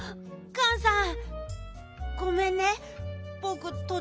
ガンさん。